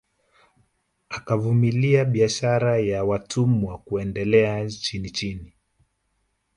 Akavumilia biashara ya watumwa kuendelea chinichini